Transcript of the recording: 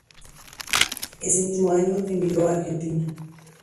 Ese mismo año emigró a Argentina.